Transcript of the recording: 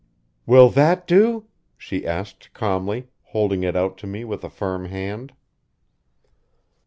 "Will that do?" she asked calmly, holding it out to me with a firm hand.